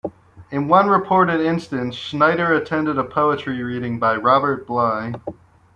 In one reported instance, Schneider attended a poetry reading by Robert Bly.